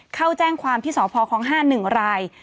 เข้าแจ้งความที่สอบพอของ๕๑ราย